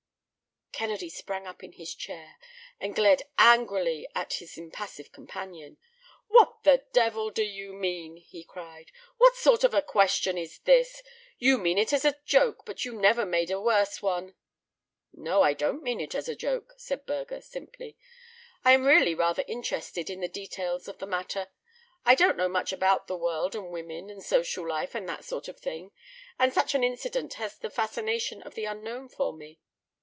Kennedy sprang up in his chair and glared angrily at his impassive companion. "What the devil do you mean?" he cried. "What sort of a question is this? You may mean it as a joke, but you never made a worse one." "No, I don't mean it as a joke," said Burger, simply. "I am really rather interested in the details of the matter. I don't know much about the world and women and social life and that sort of thing, and such an incident has the fascination of the unknown for me.